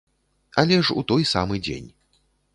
Але ж у той самы дзень.